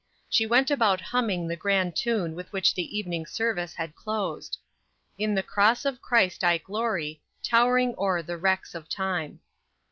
She went about humming the grand tune with which the evening service had closed: "In the cross of Christ I glory, Towering o'er the wrecks of time."